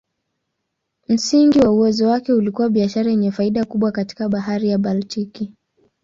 Msingi wa uwezo wake ulikuwa biashara yenye faida kubwa katika Bahari ya Baltiki.